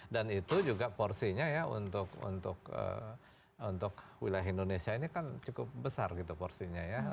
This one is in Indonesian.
dan itu juga porsinya ya untuk wilayah indonesia ini kan cukup besar gitu porsinya ya